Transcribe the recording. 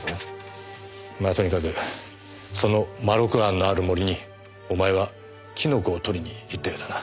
まあとにかくそのまろく庵のある森にお前はキノコを採りに行ったようだな。